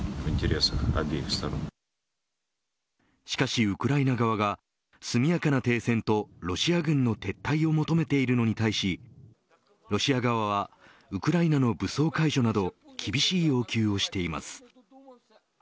しかし、ウクライナ側が速やかな停戦とロシア軍の撤退を求めているのに対しロシア側はウクライナの武装解除など厳しい要求をしています。